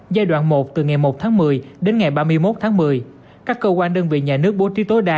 giai đoạn một từ ngày một tháng một mươi đến ngày ba mươi một tháng một mươi các cơ quan đơn vị nhà nước bố trí tối đa